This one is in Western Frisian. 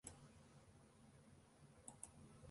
Ik moat om kertier foar tsienen fuort.